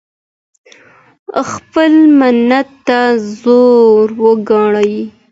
خپل مټ ته زور ورکړئ.